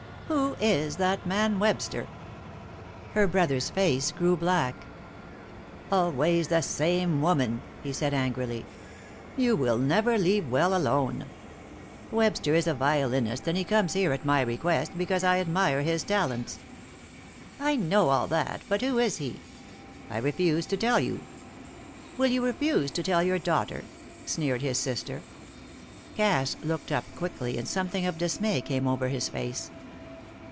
"Who is that man Webster?" Her brother's face grow black. "Always the same woman," he said, angrily. "You will never leave well alone. Webster is a violinist, and he comes here, at my request, because I admire his talents." "I know all that. But who is he?" "I refuse to tell you." "Will you refuse to tell your daughter?" sneered his sister. Cass looked up quickly, and something of dismay came over his face.